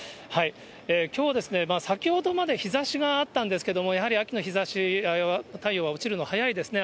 きょうはですね、先ほどまで日ざしがあったんですけども、やはり秋の日ざし、太陽は落ちるの早いですね。